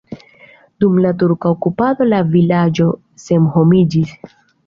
Dum la turka okupado la vilaĝo senhomiĝis.